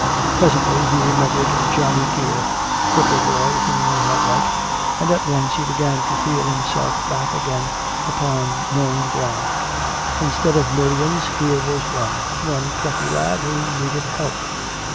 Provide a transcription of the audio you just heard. Presently he remembered Johnny Geer, the cripple boy whom he had liked, and at once he began to feel himself back again upon known ground. Instead of millions here was one, one plucky lad who needed help.